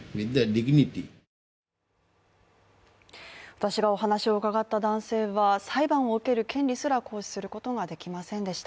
私がお話を伺った男性は裁判を受ける権利すら行使することができませんでした。